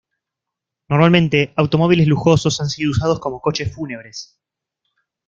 Normalmente automóviles lujosos han sido usados como coches fúnebres.